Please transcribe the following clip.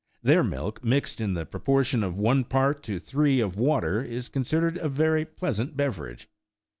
Their milk, mixed in the pro portion of one part to three of water, is considered a very pleasant beverage.